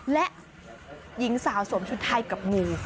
และหญิงสาวสวมชุดไทยกับงู